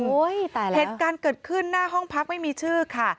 เหตุการณ์เกิดขึ้นหน้าห้องพักไม่มีชื่อค่ะ